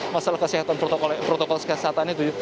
masalah kesehatan protokol kesehatan itu